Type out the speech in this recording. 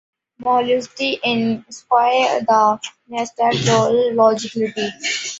Maloustyikinskoye is the nearest rural locality.